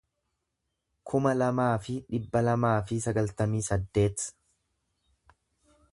kuma lamaa fi dhibba lamaa fi sagaltamii saddeet